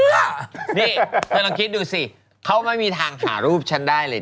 นี่เธอลองคิดดูสิเขาไม่มีทางหารูปฉันได้เลย